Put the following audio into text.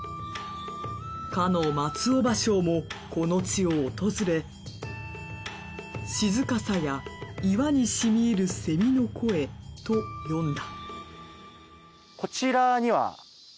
かの松尾芭蕉もこの地を訪れ「閑さや岩にしみ入る蝉の声」と詠んだ